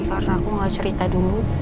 karena aku nggak cerita dulu